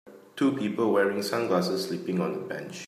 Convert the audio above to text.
Two people wearing sunglasses sleeping on a bench.